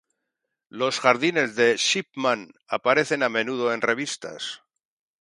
Los jardines de Shipman aparecen a menudo en revistas.